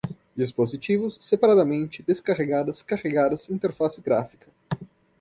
dispositivos, separadamente, descarregadas, carregadas, interface gráfica